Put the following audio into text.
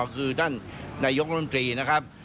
คือท่านนายกรัฐมนตรีนะครับ